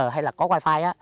hay là có wifi